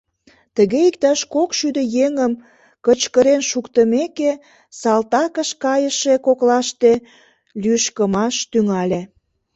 Тыге иктаж кок шӱдӧ еҥым кычкырен шуктымеке, салтакыш кайыше коклаште лӱшкымаш тӱҥале.